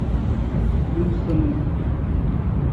Nuusanung.